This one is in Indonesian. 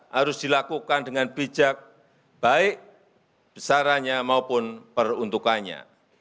harus dilakukan dengan bijak baik besarannya maupun peruntukannya